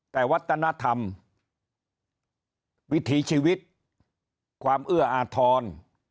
แต่วัฒนธรรมวิถีชีวิตความเอื้ออาทร